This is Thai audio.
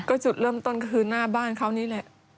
ก็จุดเริ่มต้นก็คือหน้าบ้านเขานี่แหละ